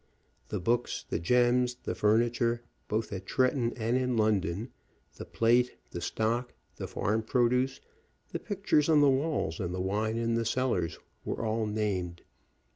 The books, the gems, the furniture, both at Tretton and in London, the plate, the stock, the farm produce, the pictures on the walls, and the wine in the cellars, were all named.